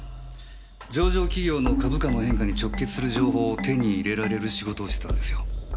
上場企業の株価の変化に直結する情報を手に入れられる仕事をしてたんですよ。